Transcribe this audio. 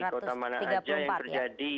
di kota mana aja yang terjadi